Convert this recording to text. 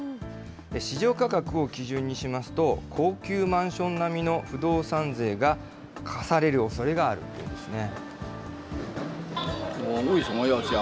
市場価格を基準にしますと、高級マンション並みの不動産税が課されるおそれがあるっていうんですね。